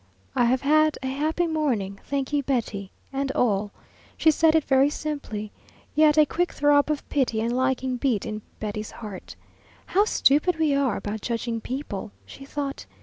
"I have had a happy morning, thank you, Betty and all." She said it very simply, yet a quick throb of pity and liking beat in Betty's heart. "How stupid we are about judging people!" she thought.